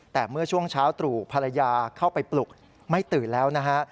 แต่เมื่อช่วงเช้าตรู่ภรรยาเข้าไปปลุกไม่ตื่นแล้วนะฮะ